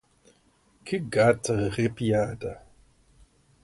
Que gata arrepiada.